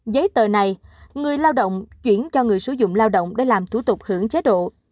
giấy tờ này người lao động chuyển cho người sử dụng lao động để làm thủ tục hưởng chế độ